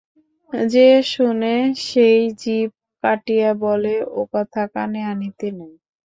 যে শোনে সেই জিভ কাটিয়া বলে, ওকথা কানে আনিতে নাই।